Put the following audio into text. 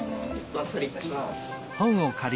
おあずかりいたします。